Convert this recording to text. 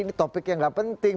ini topik yang gak penting